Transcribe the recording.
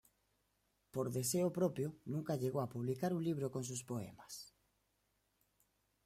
Por deseo propio, nunca llegó a publicar un libro con sus poemas.